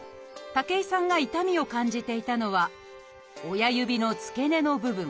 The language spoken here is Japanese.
武井さんが痛みを感じていたのは親指の付け根の部分。